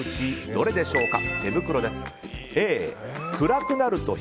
どれでしょうか。